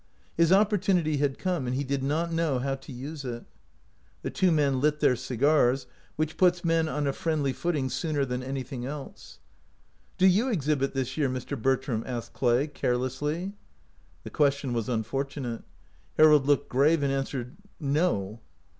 His opportunity had come, and he did not % know how to use it. The two men lit their cigars, which puts men on a friendly footing sooner than any thing else. 189 OUT OF BOHEMIA " Do you exhibit this year, Mr. Bertram ?" asked Clay, carelessly. The question was unfortunate. Harold looked grave, and answered, " No."